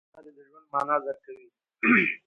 سړی د تجربو له لارې د ژوند مانا درک کوي